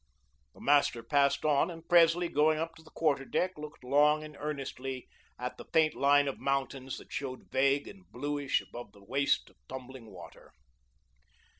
The master passed on, and Presley, going up to the quarter deck, looked long and earnestly at the faint line of mountains that showed vague and bluish above the waste of tumbling water.